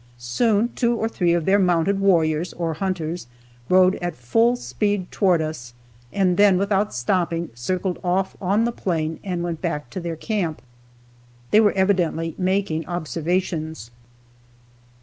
Soon two or three of their mounted warriors or hunters rode at full speed toward us and then without stopping circled off on the plain and back to their camp. They were evidently making observations.